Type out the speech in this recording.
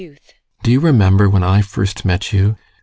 Do you remember when I first met you?